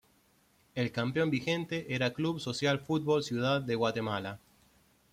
El campeón vigente era Club Social Fútbol Ciudad de Guatemala.